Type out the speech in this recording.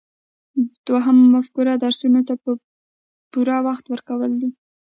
دوهم فکتور درسونو ته پوره وخت ورکول دي.